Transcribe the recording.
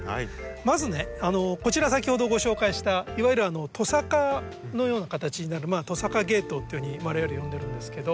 まずねこちら先ほどご紹介したいわゆるトサカのような形になる「トサカケイトウ」っていうふうに我々呼んでるんですけど。